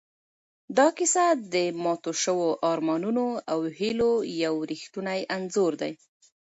دا کیسه د ماتو شوو ارمانونو او هیلو یو ریښتونی انځور دی.